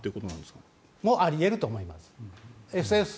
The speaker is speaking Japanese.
それもあり得ると思います。